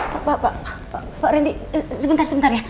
pak pak pak pak randy sebentar ya sebentar ya